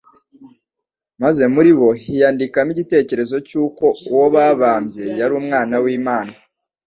maze muri bo hiyandikamo igitekerezo cy'uko uwo babambye yari Umwana w'Imana.